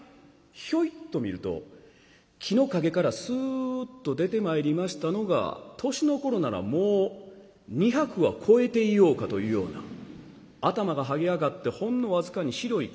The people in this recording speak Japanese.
ひょいっと見ると木の陰からスッと出てまいりましたのが年の頃ならもう２００は超えていようかというような頭がはげ上がってほんの僅かに白い髪の毛がほやほやほや。